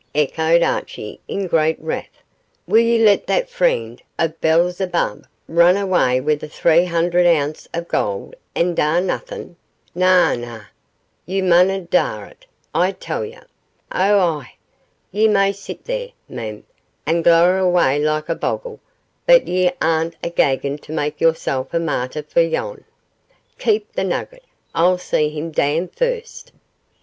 echoed Archie, in great wrath. 'Will ye let that freend o' Belzibub rin awa' wid a three hun'red ounces of gold an' dae naethin'? Na, na, ye mauna dae it, I tell ye. Oh, aye, ye may sit there, mem, and glower awa' like a boggle, but ye aren'a gangin' to make yoursel' a martyr for yon. Keep the nugget? I'll see him damned first.